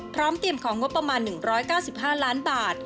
พร้อมเตรียมของงบประมาณ๑๙๕ล้านบาท